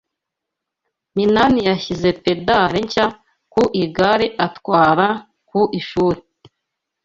Minani yashyize pedale nshya ku igare atwara ku ishuri.